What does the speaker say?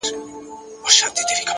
د حقیقت مینه حکمت زېږوي,